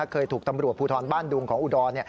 เคยถูกตำรวจภูทรบ้านดุงของอุดร